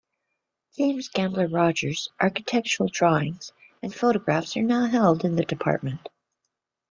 James Gamble Rogers' architectural drawings and photographs are now held in the Dept.